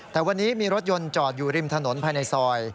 แต่วันนี้มีรถยนต์จอดอยู่ริมถนนภายในซอย